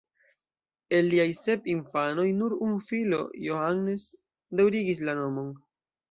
El liaj sep infanoj nur unu filo Johannes daŭrigis la nomon.